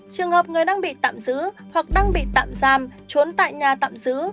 trường hợp người đang bị tạm giữ hoặc đang bị tạm giam trốn tại nhà tạm giữ